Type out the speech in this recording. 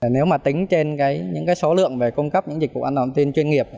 nếu mà tính trên những số lượng về cung cấp những dịch vụ an toàn thông tin chuyên nghiệp